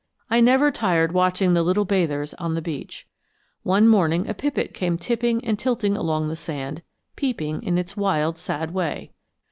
I never tired watching the little bathers on the beach. One morning a pipit came tipping and tilting along the sand, peeping in its wild, sad way.